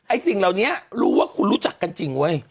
สิ่งเหล่านี้รู้ว่าคุณรู้จักกันจริงเว้ย